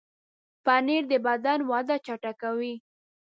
پنېر د بدن وده چټکوي.